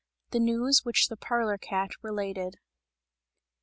THE NEWS WHICH THE PARLOUR CAT RELATED.